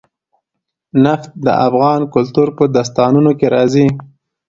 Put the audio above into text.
نفت د افغان کلتور په داستانونو کې راځي.